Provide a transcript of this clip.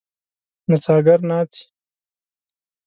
نڅاګر ناڅي.